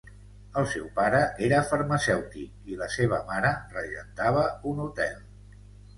El seu pare era farmacèutic i la seva mare regentava un hotel.